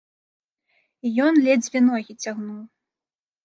І ён ледзьве ногі цягнуў.